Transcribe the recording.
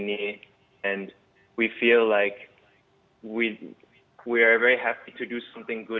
dan kita merasa sangat senang untuk melakukan sesuatu yang baik untuk negara